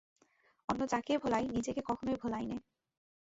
অন্য যাকেই ভোলাই, নিজেকে কখনোই ভোলাই নে।